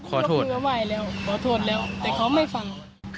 ก็คุยกับไหว้แล้วขอโทษแล้วแต่เขาไม่ฟัง